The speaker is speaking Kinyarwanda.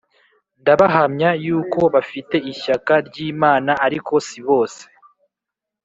Ndabahamya yuko bafite ishyaka ry Imana ariko si bose